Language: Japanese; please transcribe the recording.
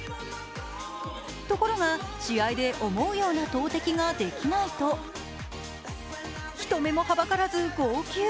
ところが、試合で思うような投てきができないと人目もはばからず号泣。